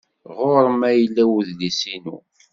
Ɣer-m ay yella udlis-inu?